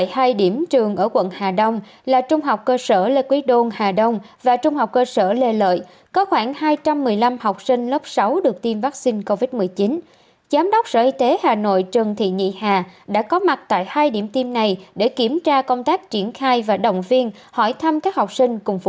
hãy đăng ký kênh để ủng hộ kênh của chúng mình nhé